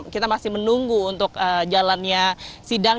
kita masih menunggu untuk jalannya sidang